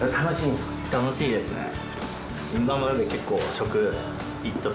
楽しいですか？